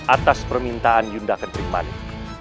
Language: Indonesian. atas permintaan yunda ketrimani